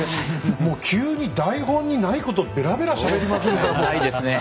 もう急に台本にないことべらべらしゃべりますね。